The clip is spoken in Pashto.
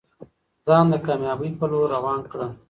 ځان د کامیابۍ په لور روان کړه.